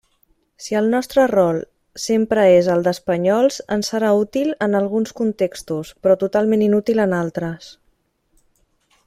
Si el nostre rol sempre és el d'espanyols, ens serà útil en alguns contextos, però totalment inútil en altres.